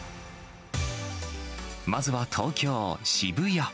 まずは東京・渋谷。